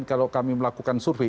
kalau kami melakukan survei